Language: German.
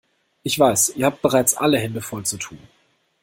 Ich weiß, ihr habt bereits alle Hände voll zu tun.